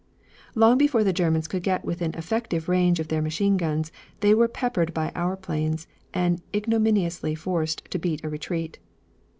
Long before the Germans could get within effective range for their machine guns, they were peppered by our planes and ignominiously forced to beat a retreat.